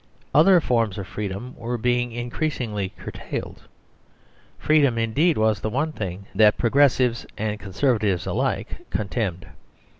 Other forms of freedom were being increas ingly curtailed. Freedom indeed was the one thing that progressives and conservatives alike contemned.